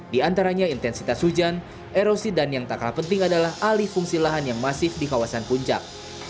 di antaranya intensitas hujan erosi dan yang tak kalah penting adalah alih fungsi lahan yang masif di kawasan puncak